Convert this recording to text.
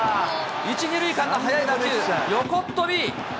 １、２塁間の速い打球、横っ跳び。